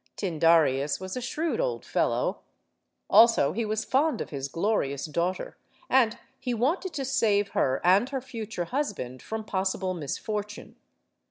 Tyndareus was a shrewd old fel low. Also, he was fond of his glorious daughter, and he wanted to save her and her future husband from possible misfortune.